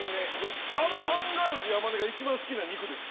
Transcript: あのアンガールズ・山根が一番好きな肉です。